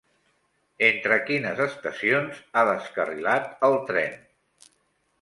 Entre quines estacions ha descarrilat el tren?